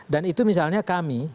dan itu misalnya kami